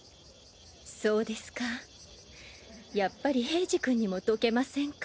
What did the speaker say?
そうですかやっぱり平次君にも解けませんか。